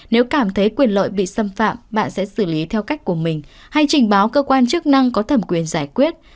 nếu cảm thấy quyền lợi bị xâm phạm bạn sẽ xử lý theo cách của mình hay trình báo cơ quan chức năng có thẩm quyền giải quyết